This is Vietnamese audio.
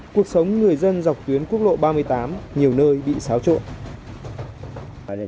cuộc sống người dân dọc tuyến quốc lộ ba mươi tám nhiều nơi bị xáo trộn